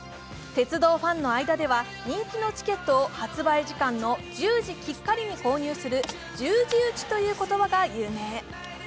鉄道ファンの間では、人気のチケットを発売時間の１０時きっかりに購入する、１０時打ちという言葉が有名。